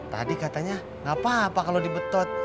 tadi katanya nggak apa apa kalau dibetot